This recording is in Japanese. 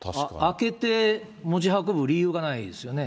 開けて持ち運ぶ理由がないですよね。